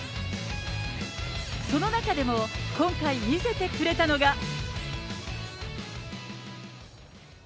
その中でも、今回見せてくれたのが。